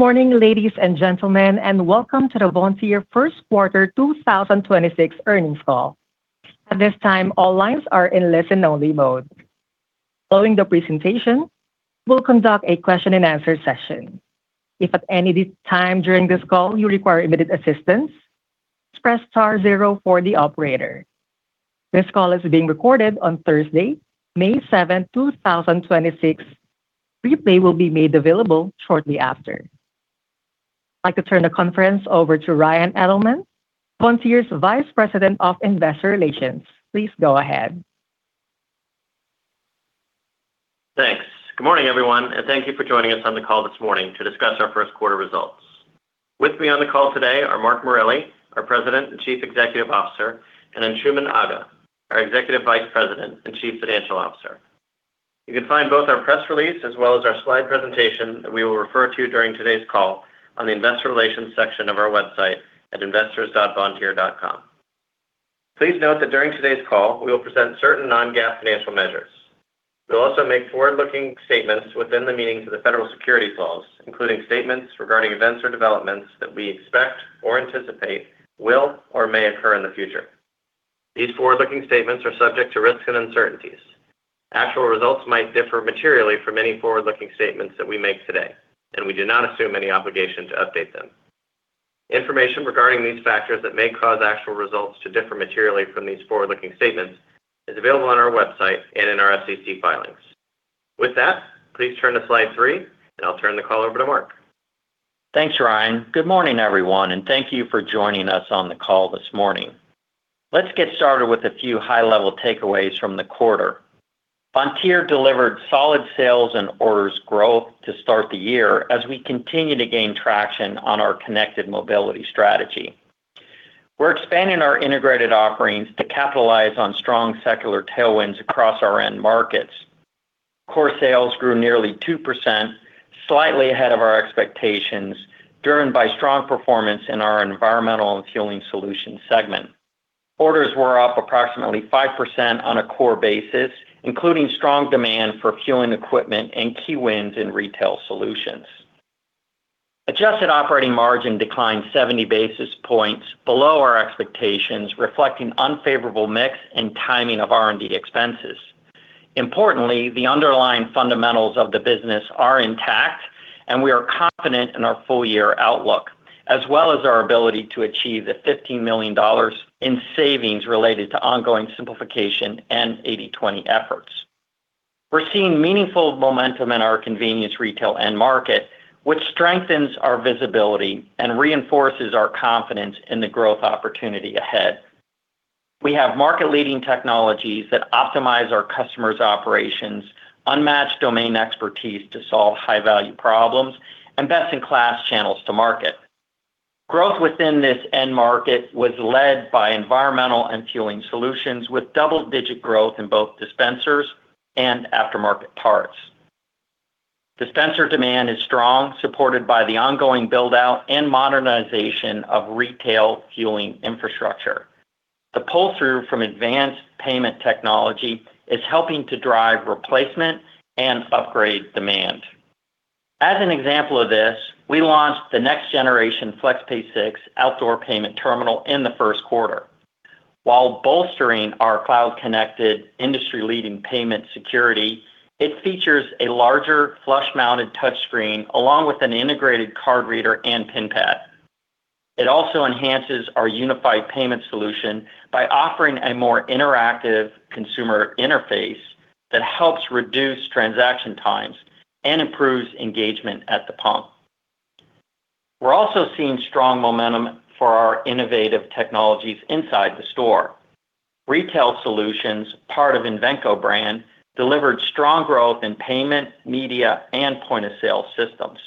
Morning, ladies and gentlemen and welcome to the Vontier First Quarter 2026 Earnings Call. At this time, all lines are in listen only mode. Following the presentation, we'll conduct a question and answer session. If at any time during this call you require immediate assistance, press star zero for the operator. This call is being recorded on Thursday, May 7th, 2026. Replay will be made available shortly after. I'd like to turn the conference over to Ryan Edelman, Vontier's Vice President of Investor Relations. Please go ahead. Thanks. Good morning, everyone, and thank you for joining us on the call this morning to discuss our first quarter results. With me on the call today are Mark Morelli, our President and Chief Executive Officer, and then Anshooman Aga, our Executive Vice President and Chief Financial Officer. You can find both our press release as well as our slide presentation that we will refer to during today's call on the investor relations section of our website at investors.vontier.com. Please note that during today's call, we will present certain non-GAAP financial measures. We'll also make forward-looking statements within the meanings of the federal securities laws, including statements regarding events or developments that we expect or anticipate will or may occur in the future. These forward-looking statements are subject to risks and uncertainties. Actual results might differ materially from any forward-looking statements that we make today, and we do not assume any obligation to update them. Information regarding these factors that may cause actual results to differ materially from these forward-looking statements is available on our website and in our SEC filings. With that, please turn to slide three, and I'll turn the call over to Mark. Thanks, Ryan. Good morning, everyone, and thank you for joining us on the call this morning. Let's get started with a few high-level takeaways from the quarter. Vontier delivered solid sales and orders growth to start the year as we continue to gain traction on our Connected Mobility strategy. We're expanding our integrated offerings to capitalize on strong secular tailwinds across our end markets. Core sales grew nearly 2%, slightly ahead of our expectations, driven by strong performance in our Environmental & Fueling Solutions segment. Orders were up approximately 5% on a core basis, including strong demand for fueling equipment and key wins in retail solutions. Adjusted operating margin declined 70 basis points below our expectations, reflecting unfavorable mix and timing of R&D expenses. Importantly, the underlying fundamentals of the business are intact, and we are confident in our full-year outlook, as well as our ability to achieve the $15 million in savings related to ongoing simplification and 80/20 efforts. We're seeing meaningful momentum in our convenience retail end market, which strengthens our visibility and reinforces our confidence in the growth opportunity ahead. We have market-leading technologies that optimize our customers' operations, unmatched domain expertise to solve high-value problems, and best-in-class channels to market. Growth within this end market was led by Environmental & Fueling Solutions, with double-digit growth in both dispensers and aftermarket parts. Dispenser demand is strong, supported by the ongoing build-out and modernization of retail fueling infrastructure. The pull-through from advanced payment technology is helping to drive replacement and upgrade demand. As an example of this, we launched the next-generation FlexPay 6 outdoor payment terminal in the first quarter. While bolstering our cloud-connected, industry-leading payment security, it features a larger, flush-mounted touchscreen along with an integrated card reader and PIN pad. It also enhances our unified payment solution by offering a more interactive consumer interface that helps reduce transaction times and improves engagement at the pump. We're also seeing strong momentum for our innovative technologies inside the store. Retail Solutions, part of Invenco brand, delivered strong growth in payment, media, and point-of-sale systems.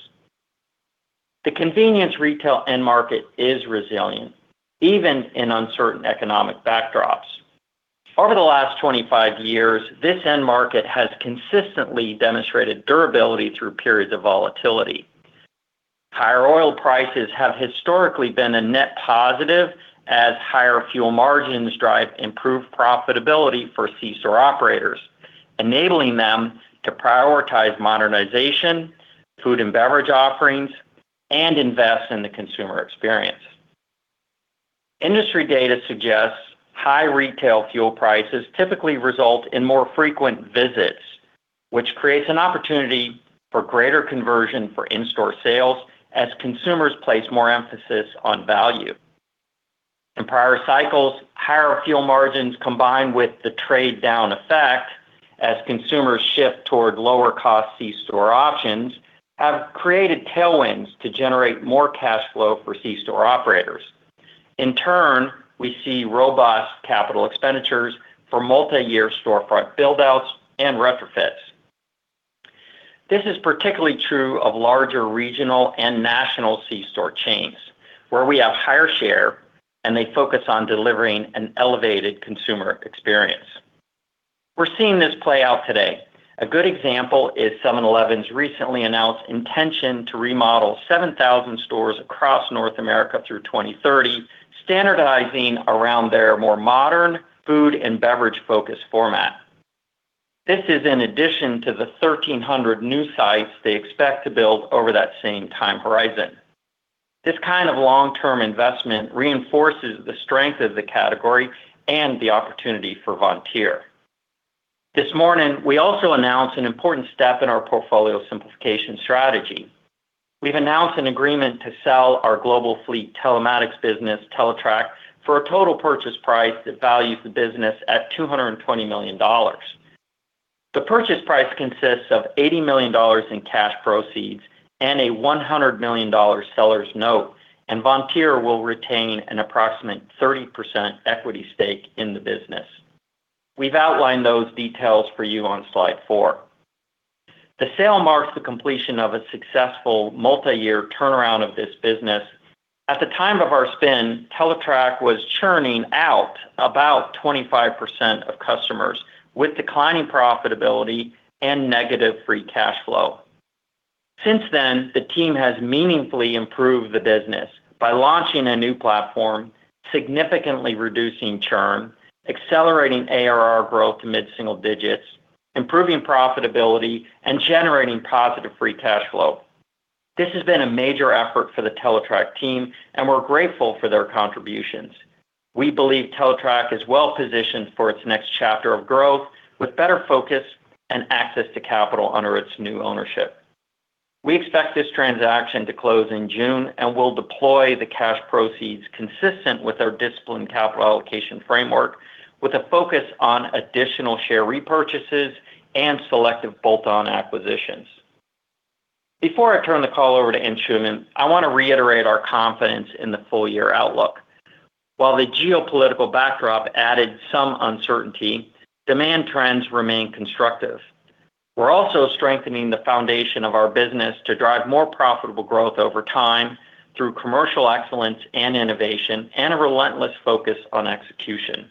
The convenience retail end market is resilient, even in uncertain economic backdrops. Over the last 25 years, this end market has consistently demonstrated durability through periods of volatility. Higher oil prices have historically been a net positive as higher fuel margins drive improved profitability for C-store operators, enabling them to prioritize modernization, food and beverage offerings, and invest in the consumer experience. Industry data suggests high retail fuel prices typically result in more frequent visits, which creates an opportunity for greater conversion for in-store sales as consumers place more emphasis on value. In prior cycles, higher fuel margins combined with the trade-down effect as consumers shift toward lower-cost C-store options have created tailwinds to generate more cash flow for C-store operators. In turn, we see robust capital expenditures for multi-year storefront build-outs and retrofits. This is particularly true of larger regional and national C-store chains, where we have higher share and they focus on delivering an elevated consumer experience. We're seeing this play out today. A good example is 7-Eleven's recently announced intention to remodel 7,000 stores across North America through 2030, standardizing around their more modern food and beverage-focused format. This is in addition to the 1,300 new sites they expect to build over that same time horizon. This kind of long-term investment reinforces the strength of the category and the opportunity for Vontier. This morning, we also announced an important step in our portfolio simplification strategy. We've announced an agreement to sell our global fleet telematics business, Teletrac, for a total purchase price that values the business at $220 million. The purchase price consists of $80 million in cash proceeds and a $100 million seller's note. Vontier will retain an approximate 30% equity stake in the business. We've outlined those details for you on slide four. The sale marks the completion of a successful multi-year turnaround of this business. At the time of our spin, Teletrac was churning out about 25% of customers with declining profitability and negative free cash flow. Since then, the team has meaningfully improved the business by launching a new platform, significantly reducing churn, accelerating ARR growth to mid-single digits, improving profitability, and generating positive free cash flow. This has been a major effort for the Teletrac team, and we're grateful for their contributions. We believe Teletrac is well-positioned for its next chapter of growth with better focus and access to capital under its new ownership. We expect this transaction to close in June and will deploy the cash proceeds consistent with our disciplined capital allocation framework with a focus on additional share repurchases and selective bolt-on acquisitions. Before I turn the call over to Anshooman, I want to reiterate our confidence in the full-year outlook. While the geopolitical backdrop added some uncertainty, demand trends remain constructive. We're also strengthening the foundation of our business to drive more profitable growth over time through commercial excellence and innovation and a relentless focus on execution.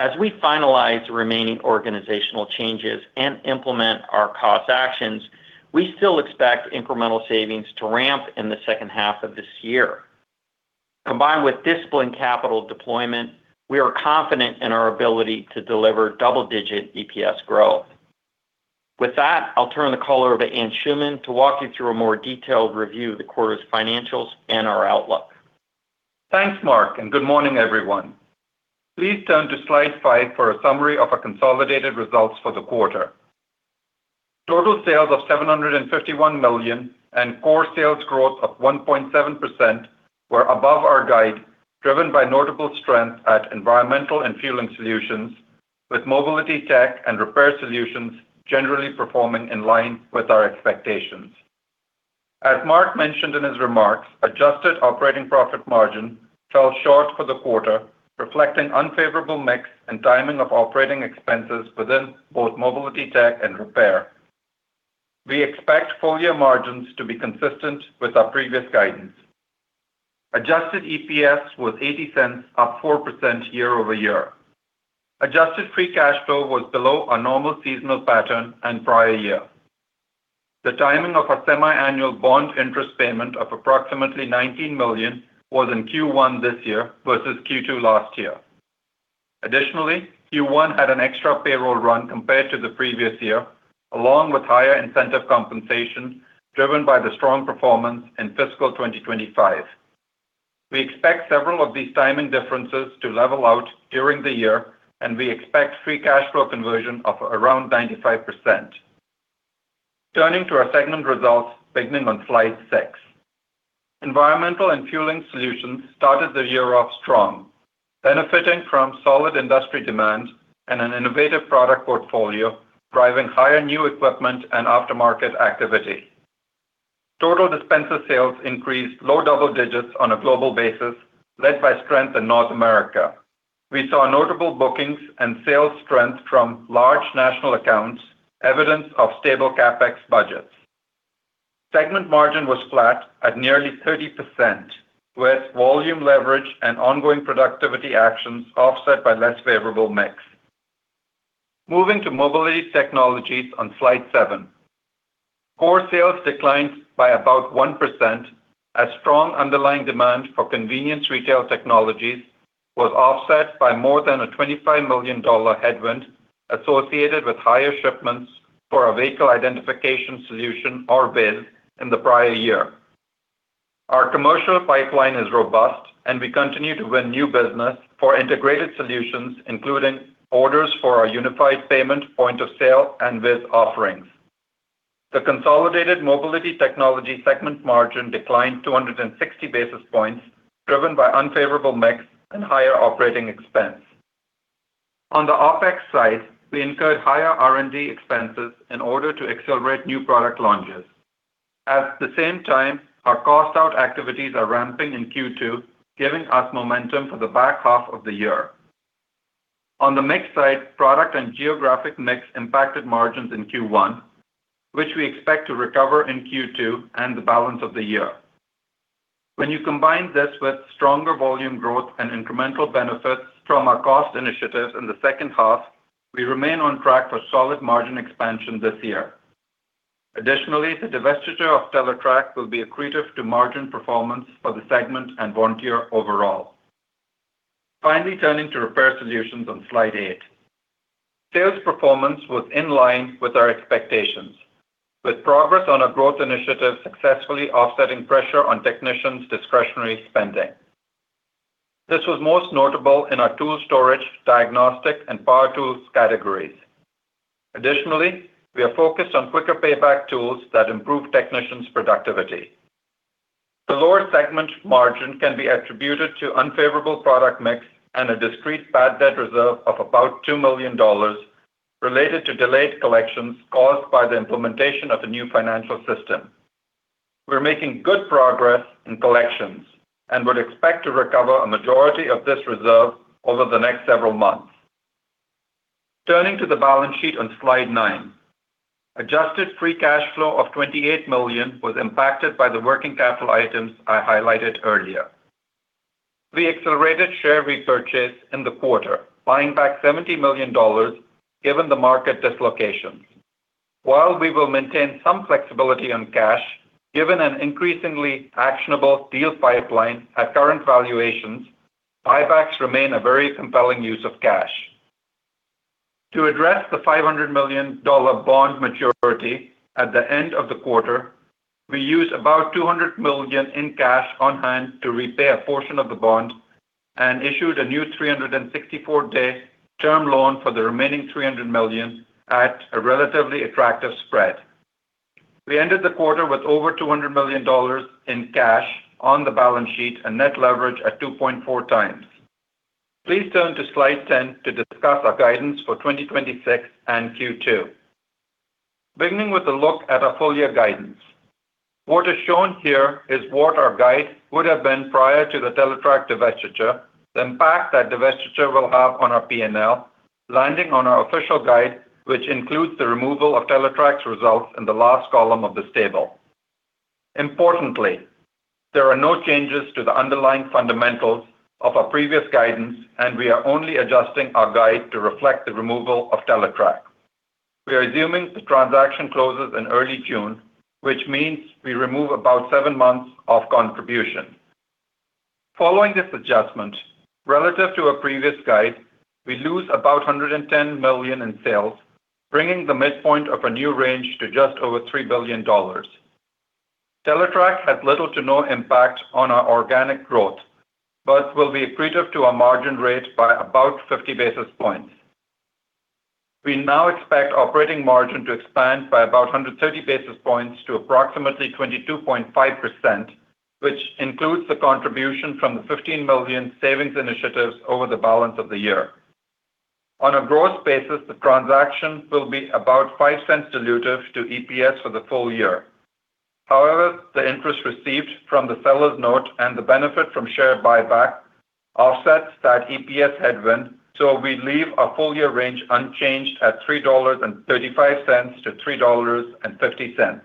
As we finalize remaining organizational changes and implement our cost actions, we still expect incremental savings to ramp in the second half of this year. Combined with disciplined capital deployment, we are confident in our ability to deliver double-digit EPS growth. With that, I'll turn the call over to Anshooman to walk you through a more detailed review of the quarter's financials and our outlook. Thanks, Mark. Good morning, everyone. Please turn to slide five for a summary of our consolidated results for the quarter. Total sales of $751 million and core sales growth of 1.7% were above our guide, driven by notable strength at Environmental & Fueling Solutions, with Mobility Tech and Repair Solutions generally performing in line with our expectations. As Mark mentioned in his remarks, adjusted operating profit margin fell short for the quarter, reflecting unfavorable mix and timing of operating expenses within both Mobility Tech and Repair. We expect full-year margins to be consistent with our previous guidance. Adjusted EPS was $0.80, up 4% year-over-year. Adjusted free cash flow was below our normal seasonal pattern and prior year. The timing of our semiannual bond interest payment of approximately $19 million was in Q1 this year versus Q2 last year. Additionally, Q1 had an extra payroll run compared to the previous year, along with higher incentive compensation driven by the strong performance in fiscal 2025. We expect several of these timing differences to level out during the year, and we expect free cash flow conversion of around 95%. Turning to our segment results beginning on slide six. Environmental & Fueling Solutions started the year off strong, benefiting from solid industry demand and an innovative product portfolio, driving higher new equipment and aftermarket activity. Total dispenser sales increased low double digits on a global basis, led by strength in North America. We saw notable bookings and sales strength from large national accounts, evidence of stable CapEx budgets. Segment margin was flat at nearly 30%, with volume leverage and ongoing productivity actions offset by less favorable mix. Moving to Mobility Technologies on slide seven. Core sales declined by about 1% as strong underlying demand for convenience retail technologies was offset by more than a $25 million headwind associated with higher shipments for our Vehicle Identification System, or VIS, in the prior year. Our commercial pipeline is robust, and we continue to win new business for integrated solutions, including orders for our unified payment point of sale and VIS offerings. The consolidated Mobility Technologies segment margin declined 260 basis points, driven by unfavorable mix and higher operating expense. On the OpEx side, we incurred higher R&D expenses in order to accelerate new product launches. At the same time, our cost out activities are ramping in Q2, giving us momentum for the back half of the year. On the mix side, product and geographic mix impacted margins in Q1, which we expect to recover in Q2 and the balance of the year. When you combine this with stronger volume growth and incremental benefits from our cost initiatives in the second half, we remain on track for solid margin expansion this year. Additionally, the divestiture of Teletrac will be accretive to margin performance for the segment and Vontier overall. Finally, turning to Repair Solutions on slide eight. Sales performance was in line with our expectations, with progress on our growth initiatives successfully offsetting pressure on technicians' discretionary spending. This was most notable in our tool storage, diagnostic, and power tools categories. Additionally, we are focused on quicker payback tools that improve technicians' productivity. The lower segment margin can be attributed to unfavorable product mix and a discrete bad debt reserve of about $2 million related to delayed collections caused by the implementation of the new financial system. We are making good progress in collections and would expect to recover a majority of this reserve over the next several months. Turning to the balance sheet on slide nine. Adjusted free cash flow of $28 million was impacted by the working capital items I highlighted earlier. We accelerated share repurchase in the quarter, buying back $70 million given the market dislocations. While we will maintain some flexibility on cash, given an increasingly actionable deal pipeline at current valuations, buybacks remain a very compelling use of cash. To address the $500 million bond maturity at the end of the quarter, we used about $200 million in cash on hand to repay a portion of the bond and issued a new 364-day term loan for the remaining $300 million at a relatively attractive spread. We ended the quarter with over $200 million in cash on the balance sheet and net leverage at 2.4x. Please turn to slide 10 to discuss our guidance for 2026 and Q2. Beginning with a look at our full year guidance. What is shown here is what our guide would have been prior to the Teletrac divestiture, the impact that divestiture will have on our P&L, landing on our official guide, which includes the removal of Teletrac's results in the last column of this table. Importantly, there are no changes to the underlying fundamentals of our previous guidance, and we are only adjusting our guide to reflect the removal of Teletrac. We are assuming the transaction closes in early June, which means we remove about seven months of contribution. Following this adjustment, relative to our previous guide, we lose about $110 million in sales, bringing the midpoint of our new range to just over $3 billion. Teletrac has little to no impact on our organic growth, but will be accretive to our margin rate by about 50 basis points. We now expect operating margin to expand by about 130 basis points to approximately 22.5%, which includes the contribution from the $15 million savings initiatives over the balance of the year. On a gross basis, the transaction will be about $0.05 dilutive to EPS for the full year. The interest received from the seller's note and the benefit from share buyback offsets that EPS headwind, so we leave our full year range unchanged at $3.35-$3.50.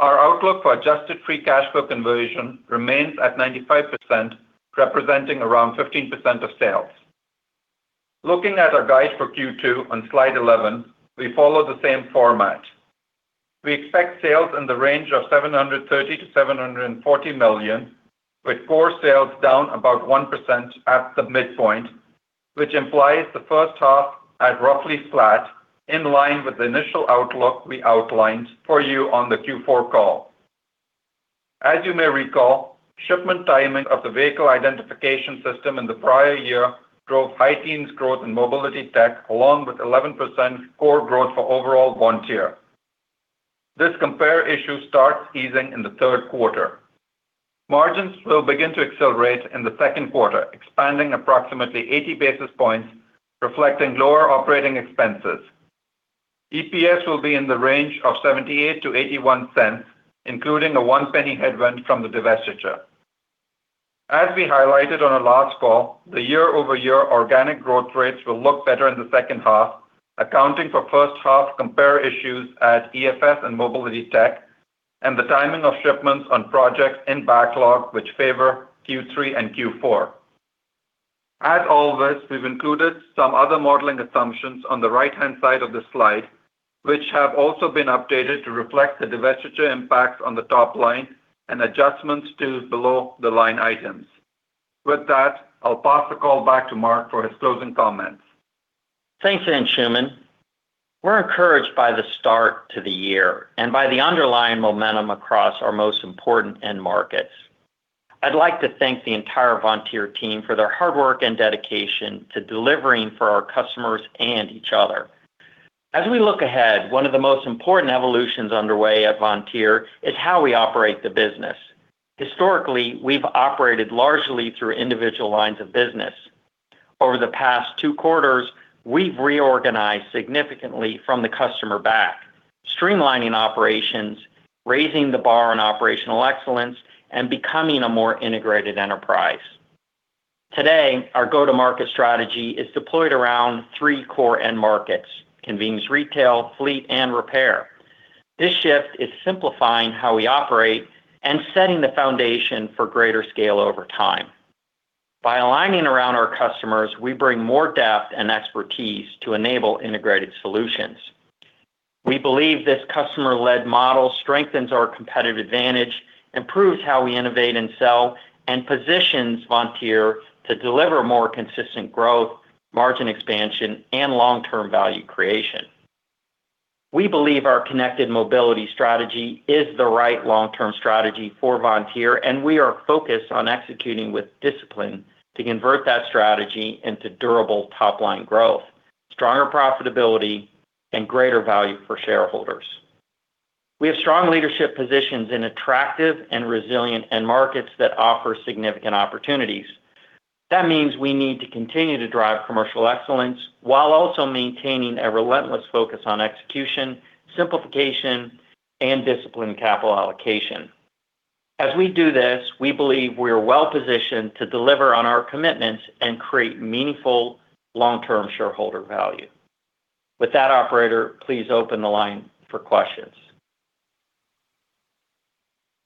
Our outlook for adjusted free cash flow conversion remains at 95%, representing around 15% of sales. Looking at our guide for Q2 on slide 11, we follow the same format. We expect sales in the range of $730 million-$740 million, with core sales down about 1% at the midpoint, which implies the first half at roughly flat in line with the initial outlook we outlined for you on the Q4 call. As you may recall, shipment timing of the Vehicle Identification System in the prior year drove high teens growth in Mobility Technologies along with 11% core growth for overall Vontier. This compare issue starts easing in the third quarter. Margins will begin to accelerate in the second quarter, expanding approximately 80 basis points, reflecting lower operating expenses. EPS will be in the range of $0.78-$0.81, including a $0.01 headwind from the divestiture. As we highlighted on our last call, the year-over-year organic growth rates will look better in the second half, accounting for first half compare issues at EFS and Mobility Tech and the timing of shipments on projects in backlog which favor Q3 and Q4. As always, we've included some other modeling assumptions on the right-hand side of the slide, which have also been updated to reflect the divestiture impacts on the top line and adjustments to below the line items. With that, I'll pass the call back to Mark for his closing comments. Thanks, Anshooman. We're encouraged by the start to the year and by the underlying momentum across our most important end markets. I'd like to thank the entire Vontier team for their hard work and dedication to delivering for our customers and each other. As we look ahead, one of the most important evolutions underway at Vontier is how we operate the business. Historically, we've operated largely through individual lines of business. Over the past two quarters, we've reorganized significantly from the customer back, streamlining operations, raising the bar on operational excellence, and becoming a more integrated enterprise. Today, our go-to-market strategy is deployed around three core end markets, convenience retail, fleet, and repair. This shift is simplifying how we operate and setting the foundation for greater scale over time. By aligning around our customers, we bring more depth and expertise to enable integrated solutions. We believe this customer-led model strengthens our competitive advantage, improves how we innovate and sell, and positions Vontier to deliver more consistent growth, margin expansion, and long-term value creation. We believe our Connected Mobility strategy is the right long-term strategy for Vontier, and we are focused on executing with discipline to convert that strategy into durable top-line growth, stronger profitability, and greater value for shareholders. We have strong leadership positions in attractive and resilient end markets that offer significant opportunities. That means we need to continue to drive commercial excellence while also maintaining a relentless focus on execution, simplification, and disciplined capital allocation. As we do this, we believe we are well-positioned to deliver on our commitments and create meaningful long-term shareholder value. With that, operator, please open the line for questions.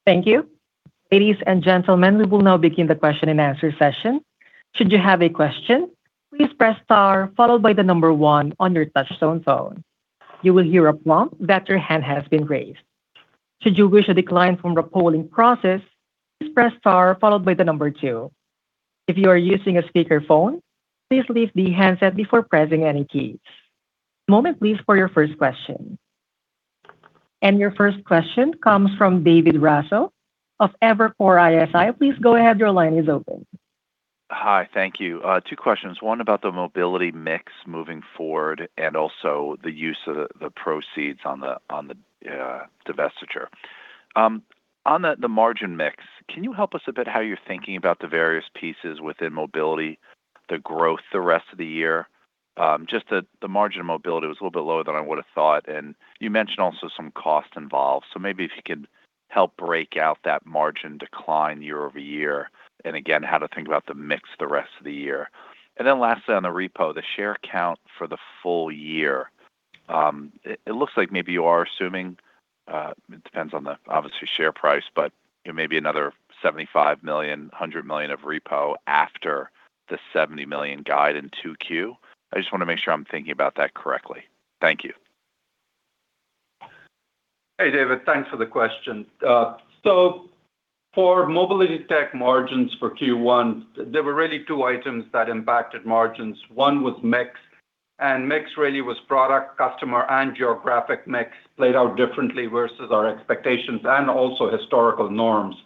Thank you. Ladies and gentlemen, we will now begin the question and answer session. Should you have a question, please press star followed by the number one on your touch-tone phone. You will hear a prompt that your hand has been raised. Should you wish to decline from the polling process, please press star followed by the number two. If you are using a speakerphone, please leave the handset before pressing any keys. One moment please for your first question. Your first question comes from David Raso of Evercore ISI. Please go ahead. Your line is open. Hi. Thank you. Two questions. One about the Mobility mix moving forward and also the use of the proceeds on the divestiture. On the margin mix, can you help us a bit how you're thinking about the various pieces within Mobility, the growth the rest of the year? Just that the margin of Mobility was a little bit lower than I would have thought, and you mentioned also some cost involved. Maybe if you could help break out that margin decline year-over-year, and again, how to think about the mix the rest of the year. Lastly, on the repo, the share count for the full year. It looks like maybe you are assuming, it depends on the, obviously, share price, but, you know, maybe another $75 million, $100 million of repo after the $70 million guide in 2Q. I just wanna make sure I'm thinking about that correctly. Thank you. Hey, David. Thanks for the question. For Mobility Technologies margins for Q1, there were really two items that impacted margins. One was mix and mix really was product, customer, and geographic mix played out differently versus our expectations and also historical norms.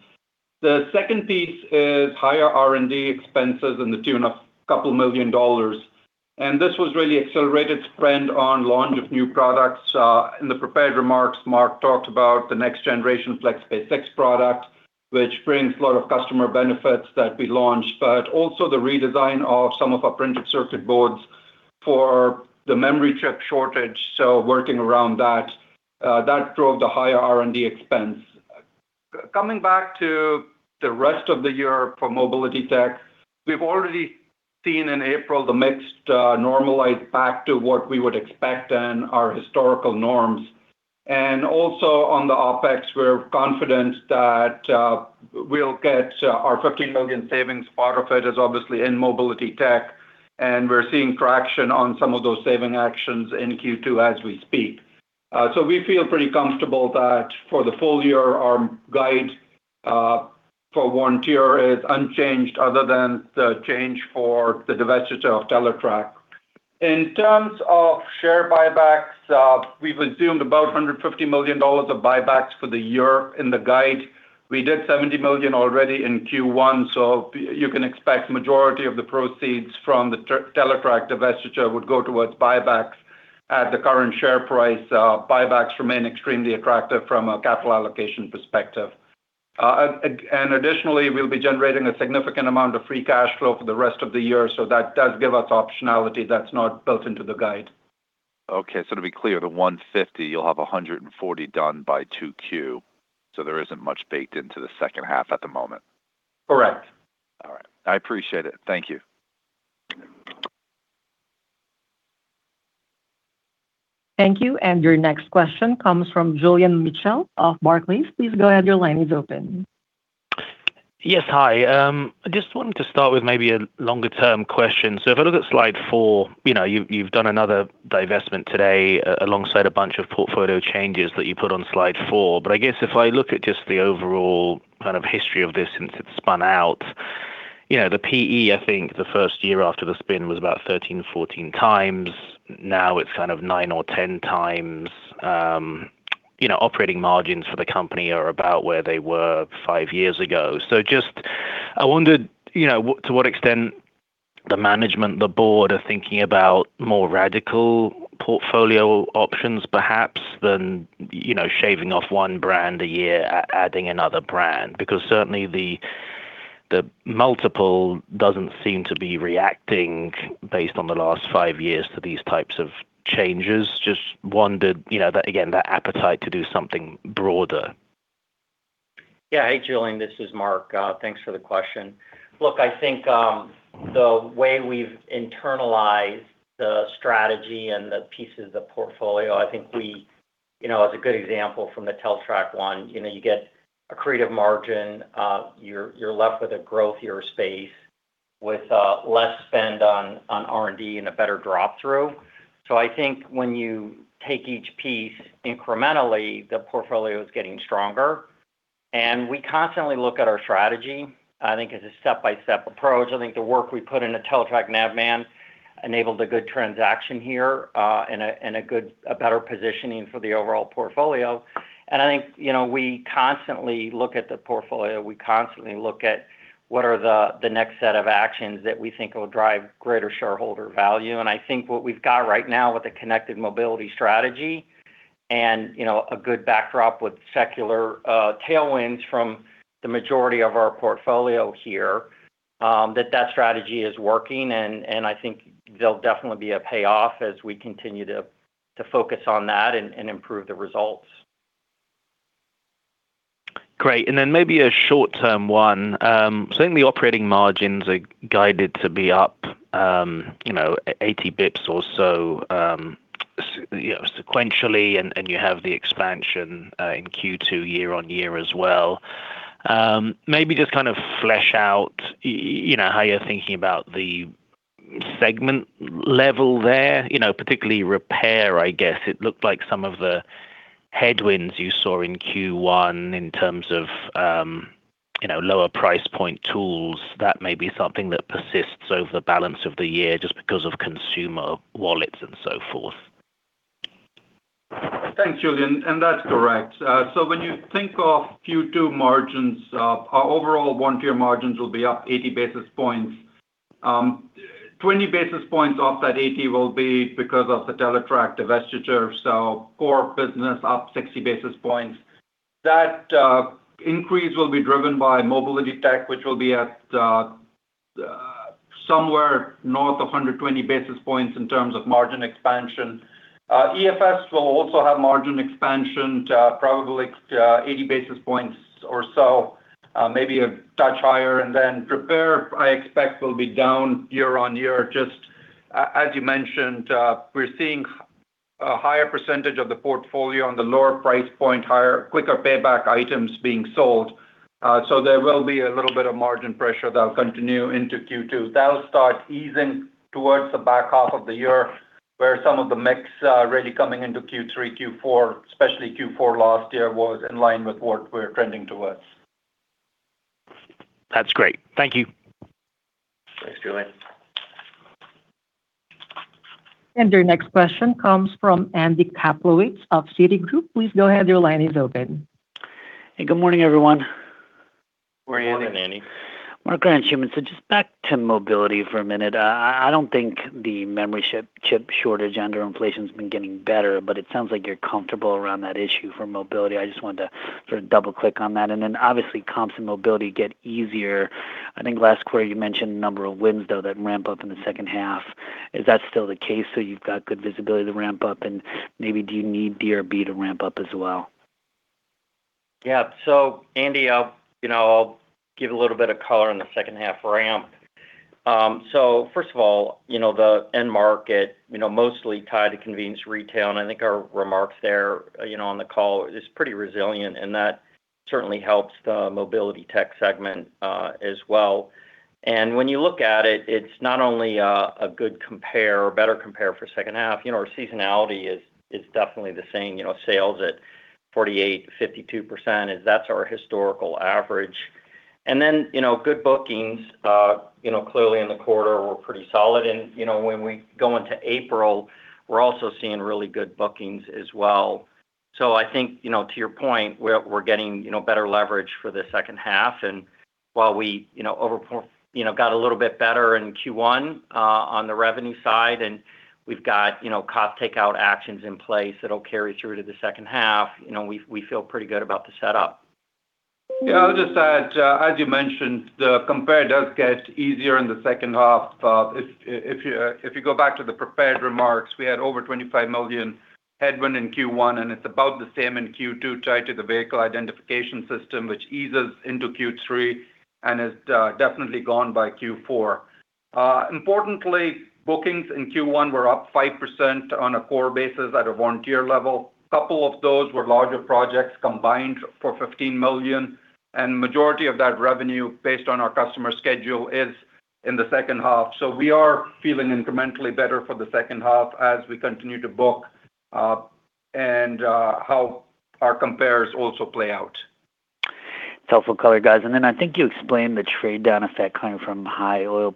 The second piece is higher R&D expenses in the tune of couple million, this was really accelerated spend on launch of new products. In the prepared remarks, Mark talked about the next generation FlexPay 6 product, which brings a lot of customer benefits that we launched, also the redesign of some of our printed circuit boards for the memory chip shortage, working around that drove the higher R&D expense. Coming back to the rest of the year for Mobility Tech, we've already seen in April the mix normalize back to what we would expect and our historical norms. Also on the OpEx, we're confident that we'll get our $15 million savings. Part of it is obviously in Mobility Tech, and we're seeing traction on some of those saving actions in Q2 as we speak. We feel pretty comfortable that for the full year, our guide for Vontier is unchanged other than the change for the divestiture of Teletrac. In terms of share buybacks, we've assumed about $150 million of buybacks for the year in the guide. We did $70 million already in Q1, so you can expect majority of the proceeds from the Teletrac divestiture would go towards buybacks. At the current share price, buybacks remain extremely attractive from a capital allocation perspective. Additionally, we'll be generating a significant amount of free cash flow for the rest of the year, so that does give us optionality that's not built into the guide. Okay. To be clear, the $150 million, you'll have $140 million done by 2Q, so there isn't much baked into the second half at the moment. Correct. All right. I appreciate it. Thank you. Thank you. Your next question comes from Julian Mitchell of Barclays. Please go ahead. Your line is open. Yes. Hi. I just wanted to start with maybe a longer term question. If I look at slide four, you know, you've done another divestment today alongside a bunch of portfolio changes that you put on slide four. I guess if I look at just the overall kind of history of this since it's spun out, you know, the PE, I think the first year after the spin was about 13, 14x. Now it's kind of nine or 10x. You know, operating margins for the company are about where they were five years ago. I wondered, you know, to what extent the management, the board are thinking about more radical portfolio options perhaps than, you know, shaving off one brand a year, adding another brand. Certainly the multiple doesn't seem to be reacting based on the last five years to these types of changes. Just wondered, you know, that again, that appetite to do something broader. Hey, Julian. This is Mark. Thanks for the question. Look, I think, the way we've internalized the strategy and the pieces of portfolio, I think we, you know, as a good example from the Teletrac one, you know, you get accretive margin. You're left with a growthier space with less spend on R&D and a better drop-through. I think when you take each piece incrementally, the portfolio is getting stronger. We constantly look at our strategy, I think as a step-by-step approach. I think the work we put in the Teletrac Navman enabled a good transaction here, and a better positioning for the overall portfolio. I think, you know, we constantly look at the portfolio. We constantly look at what are the next set of actions that we think will drive greater shareholder value. I think what we've got right now with the Connected Mobility strategy and, you know, a good backdrop with secular tailwinds from the majority of our portfolio here, that strategy is working. I think there'll definitely be a payoff as we continue to focus on that and improve the results. Great. Then maybe a short-term one. Certainly operating margins are guided to be up, you know, 80 basis points or so, sequentially, and, you have the expansion in Q2 year on year as well. Maybe just kind of flesh out, you know, how you're thinking about the segment level there. You know, particularly Repair, I guess. It looked like some of the headwinds you saw in Q1 in terms of, you know, lower price point tools, that may be something that persists over the balance of the year just because of consumer wallets and so forth. Thanks, Julian. That's correct. When you think of Q2 margins, our overall Vontier margins will be up 80 basis points. 20 basis points off that 80 basis points will be because of the Teletrac divestiture, core business up 60 basis points. That increase will be driven by Mobility Tech which will be at somewhere north of 120 basis points in terms of margin expansion. EFS will also have margin expansion to probably 80 basis points or so, maybe a touch higher. Then Repair, I expect, will be down year on year just as you mentioned, we're seeing a higher percentage of the portfolio on the lower price point, higher, quicker payback items being sold. There will be a little bit of margin pressure that'll continue into Q2. That'll start easing towards the back half of the year, where some of the mix, really coming into Q3, Q4, especially Q4 last year, was in line with what we're trending towards. That's great. Thank you. Thanks, Julian. Your next question comes from Andy Kaplowitz of Citigroup. Please go ahead, your line is open. Hey, good morning, everyone. Morning, Andy. Morning, Andy. Mark and Anshooman, just back to Mobility for a minute. I don't think the memory chip shortage under inflation's been getting better, but it sounds like you're comfortable around that issue for Mobility. I just wanted to sort of double-click on that. Obviously comps and Mobility get easier. I think last quarter you mentioned a number of wins though that ramp up in the second half. Is that still the case that you've got good visibility to ramp up? Maybe do you need DRB Systems to ramp up as well? Andy, I'll, you know, I'll give a little bit of color on the second half ramp. First of all, you know, the end market, you know, mostly tied to convenience retail, and I think our remarks there, you know, on the call is pretty resilient, and that certainly helps the Mobility Tech segment as well. When you look at it's not only a good compare or better compare for second half. You know, our seasonality is definitely the same. You know, sales at 48%, 52% that's our historical average. You know, good bookings, you know, clearly in the quarter were pretty solid. You know, when we go into April, we're also seeing really good bookings as well. I think, you know, to your point, we're getting, you know, better leverage for the second half. While we, you know, got a little bit better in Q1 on the revenue side and we've got, you know, cost takeout actions in place that'll carry through to the second half, you know, we feel pretty good about the setup. I'll just add, as you mentioned, the compare does get easier in the second half. If you go back to the prepared remarks, we had over $25 million headwind in Q1, and it's about the same in Q2 tied to the Vehicle Identification System, which eases into Q3 and is definitely gone by Q4. Importantly, bookings in Q1 were up 5% on a core basis at a Vontier level. Couple of those were larger projects combined for $15 million, and majority of that revenue based on our customer schedule is in the second half. We are feeling incrementally better for the second half as we continue to book, and how our compares also play out. Helpful color, guys. I think you explained the trade down effect coming from high oil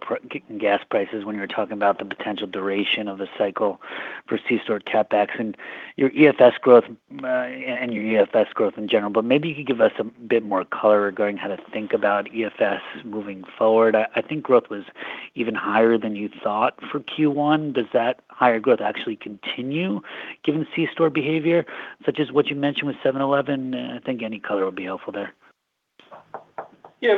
gas prices when you were talking about the potential duration of the cycle for C-store CapEx and your EFS growth, and your EFS growth in general. Maybe you could give us a bit more color regarding how to think about EFS moving forward. I think growth was even higher than you'd thought for Q1. Does that higher growth actually continue given C-store behavior, such as what you mentioned with 7-Eleven? I think any color would be helpful there. Yeah,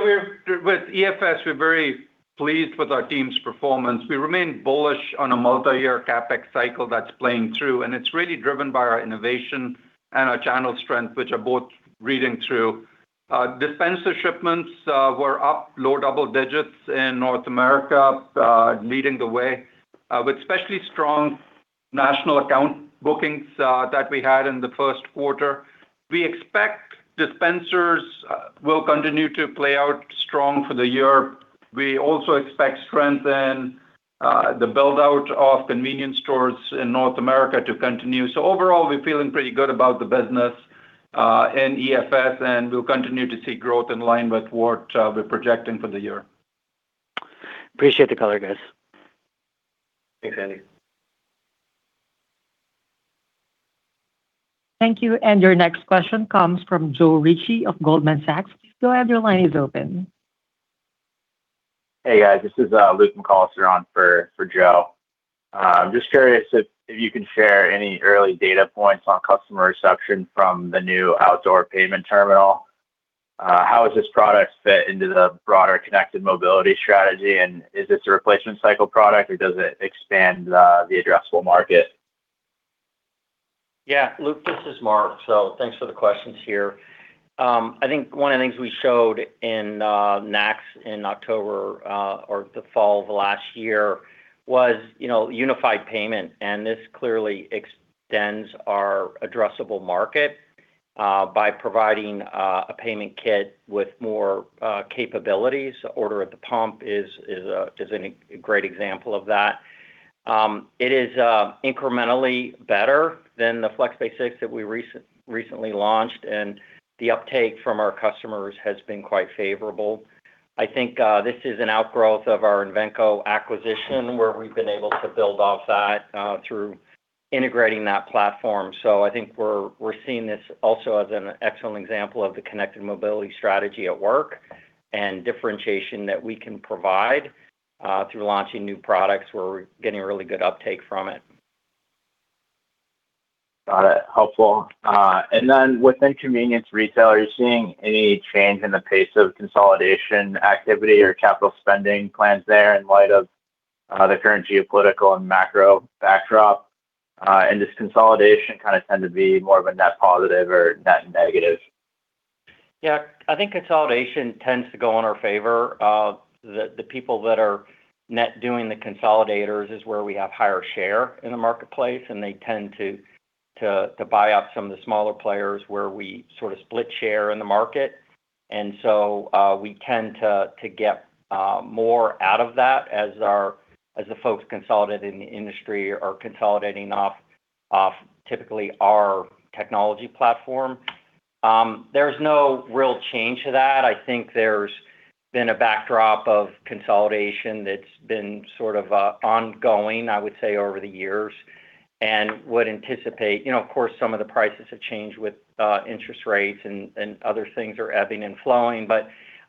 with EFS, we're very pleased with our team's performance. We remain bullish on a multi-year CapEx cycle that's playing through, and it's really driven by our innovation and our channel strength, which are both reading through. Dispenser shipments were up low double digits in North America, leading the way with especially strong national account bookings that we had in the first quarter. We expect dispensers will continue to play out strong for the year. We also expect strength in the build-out of convenience stores in North America to continue. Overall, we're feeling pretty good about the business in EFS, and we'll continue to see growth in line with what we're projecting for the year. Appreciate the color, guys. Thanks, Andy. Thank you. Your next question comes from Joe Ritchie of Goldman Sachs. Joe, your line is open. Hey, guys. This is Luke McCollester on for Joe. I'm just curious if you can share any early data points on customer reception from the new outdoor payment terminal. How does this product fit into the broader Connected Mobility strategy, and is this a replacement cycle product, or does it expand the addressable market? Luke, this is Mark. Thanks for the questions here. I think one of the things we showed in NACS in October, or the fall of last year was, you know, unified payment. This clearly extends our addressable market by providing a payment kit with more capabilities. Order at the pump is a great example of that. It is incrementally better than the FlexPay 6 that we recently launched, and the uptake from our customers has been quite favorable. I think this is an outgrowth of our Invenco acquisition, where we've been able to build off that through integrating that platform. I think we're seeing this also as an excellent example of the Connected Mobility strategy at work and differentiation that we can provide through launching new products, where we're getting really good uptake from it. Got it. Helpful. Then within convenience retailers, are you seeing any change in the pace of consolidation activity or capital spending plans there in light of the current geopolitical and macro backdrop? Does consolidation kinda tend to be more of a net positive or net negative? I think consolidation tends to go in our favor. The people that are net doing the consolidators is where we have higher share in the marketplace, and they tend to buy up some of the smaller players where we sort of split share in the market. We tend to get more out of that as our, as the folks consolidating the industry are consolidating off typically our technology platform. There's no real change to that. I think there's been a backdrop of consolidation that's been sort of ongoing, I would say, over the years. Would anticipate You know, of course, some of the prices have changed with interest rates and other things are ebbing and flowing.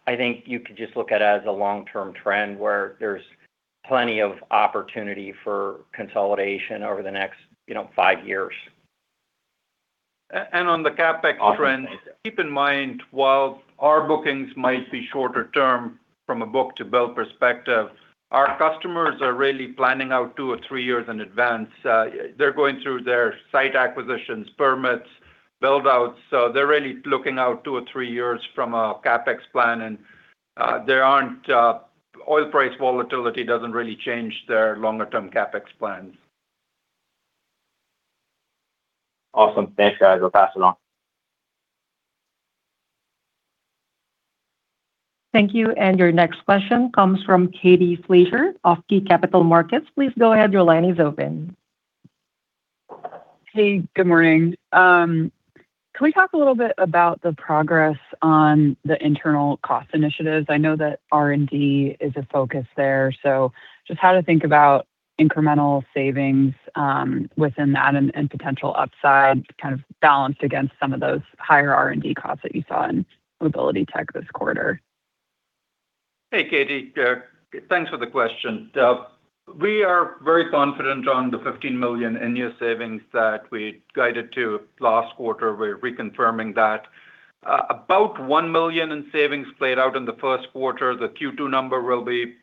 I think you could just look at it as a long-term trend where there's plenty of opportunity for consolidation over the next, you know, five years. On the CapEx trend. Awesome. Keep in mind, while our bookings might be shorter term from a book-to-bill perspective, our customers are really planning out two or three years in advance. They're going through their site acquisitions, permits, build-outs. They're really looking out two or three years from a CapEx plan. Oil price volatility doesn't really change their longer-term CapEx plans. Awesome. Thanks, guys. I'll pass it on. Thank you. Your next question comes from Katie Fleischer of KeyBanc Capital Markets. Please go ahead. Your line is open. Hey, good morning. Can we talk a little bit about the progress on the internal cost initiatives? I know that R&D is a focus there. Just how to think about incremental savings within that and potential upside kind of balanced against some of those higher R&D costs that you saw in Mobility Technologies this quarter? Hey, Katie. Thanks for the question. We are very confident on the $15 million in-year savings that we guided to last quarter. We're reconfirming that. About $1 million in savings played out in the first quarter. The Q2 number will be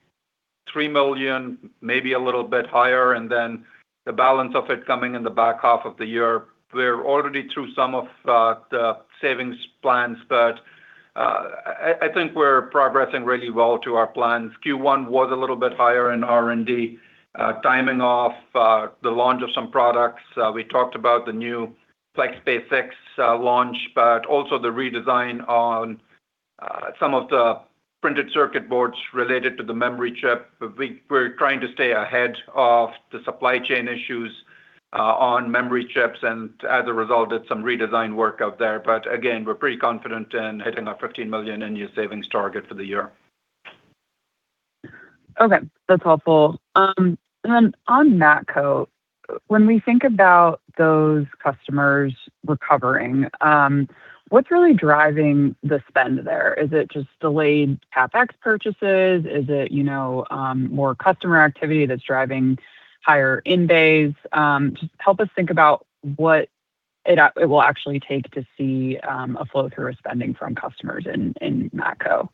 $3 million, maybe a little bit higher, the balance of it coming in the back half of the year. We're already through some of the savings plans, I think we're progressing really well to our plans. Q1 was a little bit higher in R&D, timing off the launch of some products. We talked about the new FlexPay 6 launch, also the redesign on some of the printed circuit boards related to the memory chip. We're trying to stay ahead of the supply chain issues on memory chips, and as a result, did some redesign work out there. Again, we're pretty confident in hitting our $15 million in-year savings target for the year. Okay. That's helpful. On Matco, when we think about those customers recovering, what's really driving the spend there? Is it just delayed CapEx purchases? Is it, you know, more customer activity that's driving higher in days? Just help us think about what it will actually take to see a flow through of spending from customers in Matco.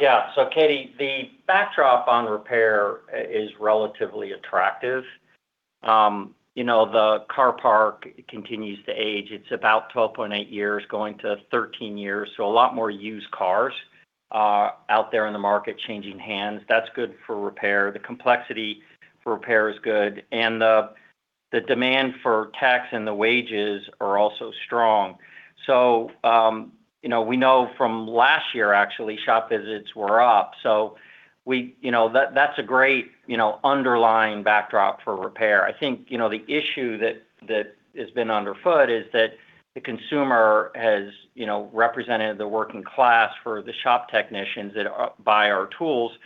Yeah. Katie, the backdrop on repair is relatively attractive. You know, the car park continues to age. It's about 12.8 years, going to 13 years, a lot more used cars are out there in the market changing hands. That's good for repair. The complexity for repair is good, the demand for tech and the wages are also strong. You know, we know from last year actually, shop visits were up. We, you know, that's a great, you know, underlying backdrop for repair. I think, you know, the issue that has been underfoot is that the consumer has, you know, represented the working class for the shop technicians that buy our tools,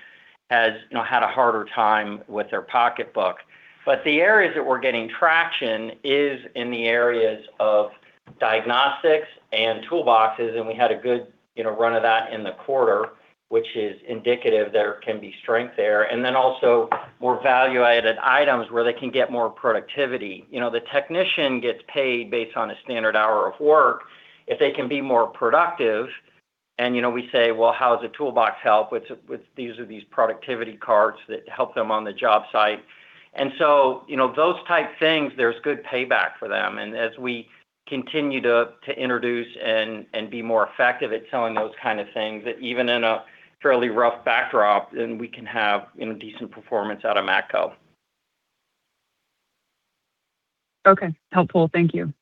has, you know, had a harder time with their pocketbook. The areas that we're getting traction is in the areas of diagnostics and toolboxes, and we had a good, you know, run of that in the quarter, which is indicative there can be strength there. Then also more value-added items where they can get more productivity. You know, the technician gets paid based on a standard hour of work. If they can be more productive and, you know, we say, "Well, how does a toolbox help with these productivity carts that help them on the job site?" You know, those type things, there's good payback for them. As we continue to introduce and be more effective at selling those kind of things, even in a fairly rough backdrop, then we can have, you know, decent performance out of Matco. Okay. Helpful. Thank you.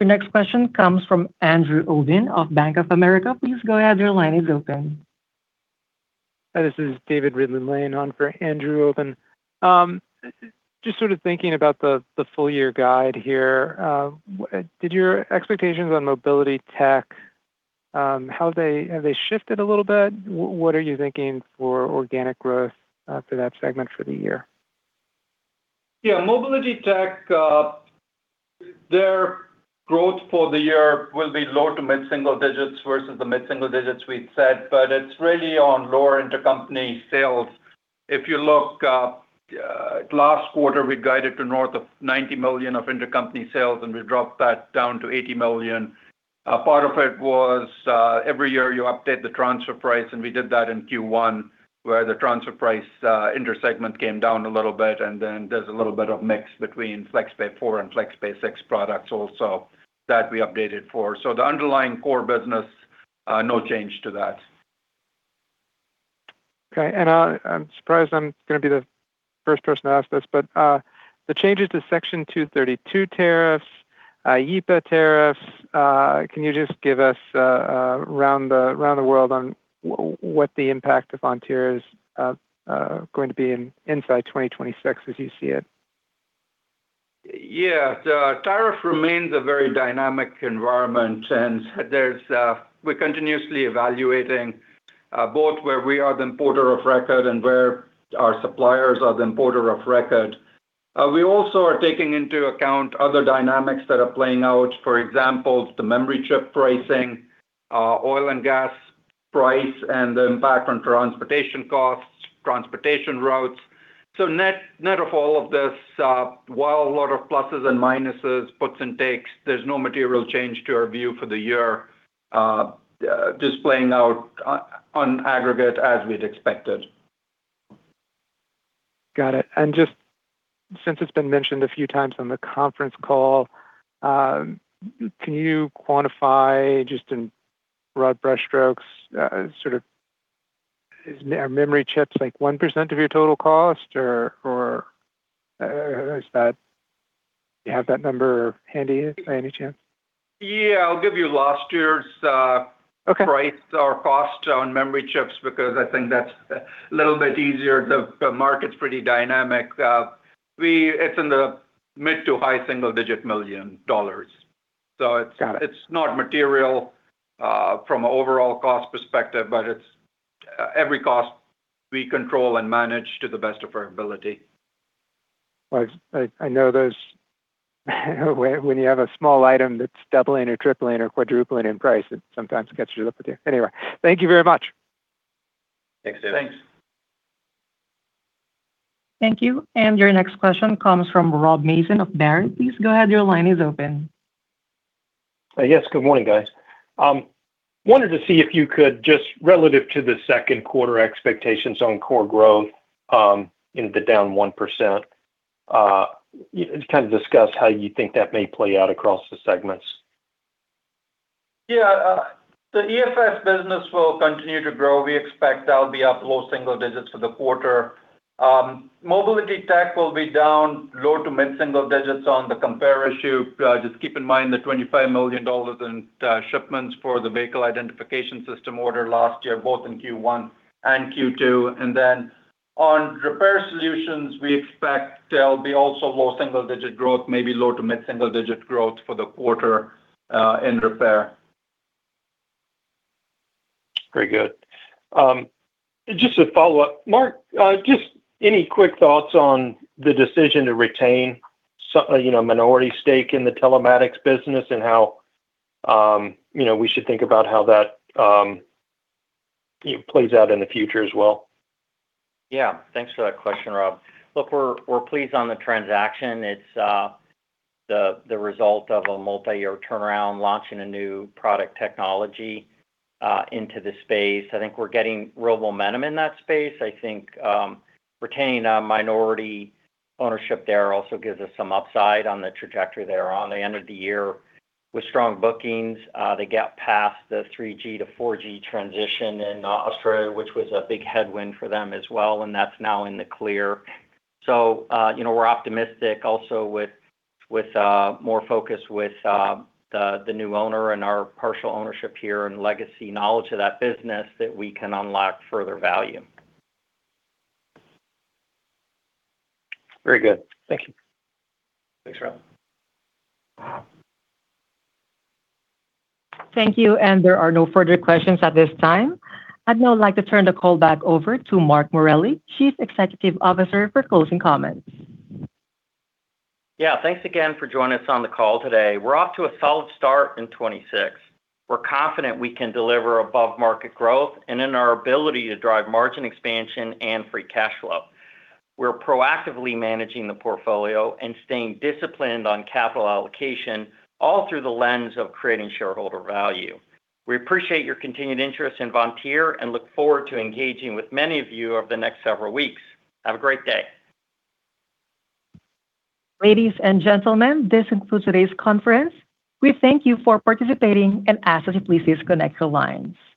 Your next question comes from Andrew Obin of Bank of America. Please go ahead. Your line is open. Hi, this is David Ridley-Lane on for Andrew. Just sort of thinking about the full year guide here, did your expectations on Mobility Tech, have they shifted a little bit? What are you thinking for organic growth for that segment for the year? Yeah. Mobility Tech, their growth for the year will be low to mid-single digits versus the mid-single digits we'd set, but it's really on lower intercompany sales. If you look, last quarter, we guided to north of $90 million of intercompany sales, and we dropped that down to $80 million. A part of it was, every year you update the transfer price, and we did that in Q1, where the transfer price, intersegment came down a little bit, and then there's a little bit of mix between FlexPay 4 and FlexPay 6 products also that we updated for. The underlying core business, no change to that. Okay. I'm surprised I'm gonna be the first person to ask this, but, the changes to Section 232 tariffs, IEEPA tariffs, can you just give us a round the world on what the impact of Vontier's going to be inside 2026 as you see it? Tariff remains a very dynamic environment, and there's we're continuously evaluating both where we are the importer of record and where our suppliers are the importer of record. We also are taking into account other dynamics that are playing out, for example, the memory chip pricing, oil and gas price, and the impact on transportation costs, transportation routes. Net of all of this, while a lot of pluses and minuses, puts and takes, there's no material change to our view for the year, just playing out on aggregate as we'd expected. Got it. Just since it's been mentioned a few times on the conference call, can you quantify just in broad brushstrokes, are memory chips like 1% of your total cost or is that? Do you have that number handy by any chance? Yeah. I'll give you last year's. Okay. Price or cost on memory chips because I think that's a little bit easier. The market's pretty dynamic. It's in the mid to high single digit million dollars. Got it. It's not material from an overall cost perspective, but it's every cost we control and manage to the best of our ability. Well, I know there's a way when you have a small item that's doubling or tripling or quadrupling in price, it sometimes catches up with you. Anyway, thank you very much. Thanks, David. Thanks. Thank you. Your next question comes from Robert Mason of Baird. Please go ahead. Your line is open. Yes. Good morning, guys. Wanted to see if you could just relative to the second quarter expectations on core growth, in the down 1%, kind of discuss how you think that may play out across the segments. The EFS business will continue to grow. We expect that'll be up low single digits for the quarter. Mobility Tech will be down low to mid-single digits on the compare issue. Just keep in mind the $25 million in shipments for the Vehicle Identification System order last year, both in Q1 and Q2. On Repair Solutions, we expect there'll be also low single-digit growth, maybe low to mid-single digit growth for the quarter in repair. Very good. Just a follow-up. Mark, just any quick thoughts on the decision to retain so, you know, minority stake in the telematics business and how, you know, we should think about how that plays out in the future as well? Yeah. Thanks for that question, Rob. Look, we're pleased on the transaction. It's the result of a multi-year turnaround, launching a new product technology into the space. I think we're getting real momentum in that space. I think retaining a minority ownership there also gives us some upside on the trajectory there. On the end of the year with strong bookings, they got past the 3G to 4G transition in Australia, which was a big headwind for them as well, and that's now in the clear. You know, we're optimistic also with more focus with the new owner and our partial ownership here and legacy knowledge of that business that we can unlock further value. Very good. Thank you. Thanks, Rob. Thank you. There are no further questions at this time. I'd now like to turn the call back over to Mark Morelli, Chief Executive Officer, for closing comments. Thanks again for joining us on the call today. We're off to a solid start in 2026. We're confident we can deliver above-market growth and in our ability to drive margin expansion and free cash flow. We're proactively managing the portfolio and staying disciplined on capital allocation all through the lens of creating shareholder value. We appreciate your continued interest in Vontier and look forward to engaging with many of you over the next several weeks. Have a great day. Ladies and gentlemen, this concludes today's conference. We thank you for participating and ask that you please disconnect your lines.